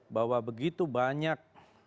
bahwa begitu banyak